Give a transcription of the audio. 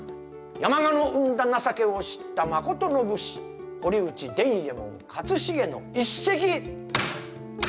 山鹿の生んだ情けを知った誠の武士堀内伝右衛門勝重の一席」。